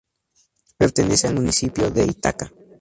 Pertenece al municipio de Ítaca.